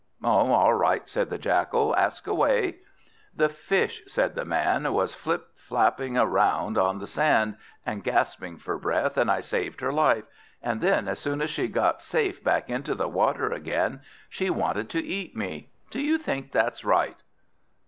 "All right," said the Jackal, "ask away." "This Fish," said the Man, "was flip flap flopping on the sand and gasping for breath, and I saved her life; and then as soon as she got safe back into the water again, she wanted to eat me. Do you think that's right?"